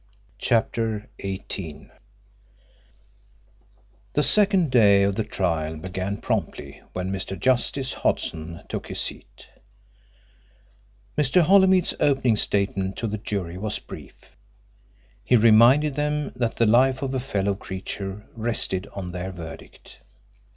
CHAPTER XVIII The second day of the trial began promptly when Mr. Justice Hodson took his seat. Mr. Holymead's opening statement to the jury was brief. He reminded them that the life of a fellow creature rested on their verdict.